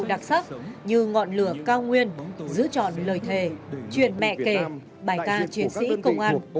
đặc sắc như ngọn lửa cao nguyên giữ chọn lời thề chuyện mẹ kể bài ca chiến sĩ công an